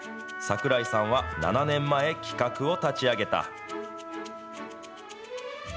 櫻井さんは７年前、企画を立ち上げた。